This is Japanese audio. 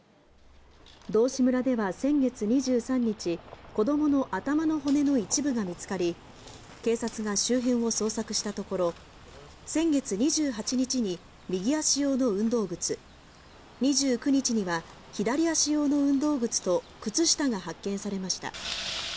道志村では先月２３日、子供の頭の骨の一部が見つかり、警察が周辺を捜索したところ、先月２８日に右足用の運動靴、２９日には左足用の運動靴と靴下が発見されました。